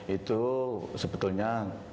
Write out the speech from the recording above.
itu sebetulnya bisa diartikan itu adalah